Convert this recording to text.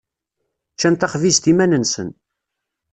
Ččan taxbizt iman-nsen.